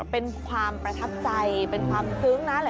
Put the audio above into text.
เป็นความประทับใจเป็นความซึ้งนะ